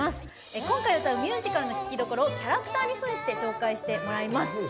今回、歌う「ミュージカル」の聴きどころをキャラクターにふんして紹介してもらいます。